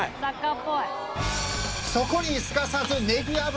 そこにすかさずあっ